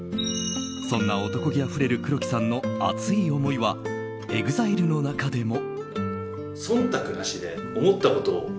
そんな男気あふれる黒木さんの熱い思いはＥＸＩＬＥの中でも。